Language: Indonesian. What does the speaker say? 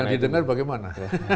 bagaimana didengar bagaimana